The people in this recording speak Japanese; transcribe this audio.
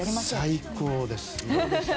最高です。